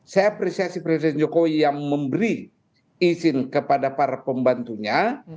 saya apresiasi presiden jokowi yang memberi izin kepada para pembantunya